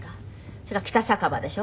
それから『北酒場』でしょ。